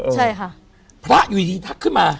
ใช่ค่ะพระอยู่ดีทักขึ้นมา